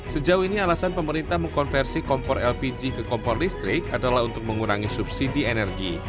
sejauh ini alasan pemerintah mengkonversi kompor lpg ke kompor listrik adalah untuk mengurangi subsidi energi